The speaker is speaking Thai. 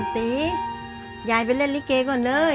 ตียายไปเล่นลิเกก่อนเลย